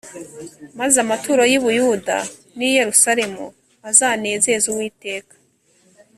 Maze amaturo y’i Buyuda n’i Yerusalemu azanezeze Uwiteka